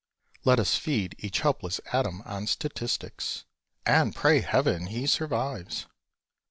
Let us feed each helpless atom on statistics, And pray Heaven he survives!